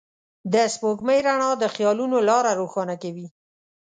د سپوږمۍ رڼا د خيالونو لاره روښانه کوي.